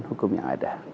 hukum yang ada